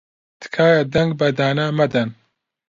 تکایە دەنگ بە دانا مەدەن.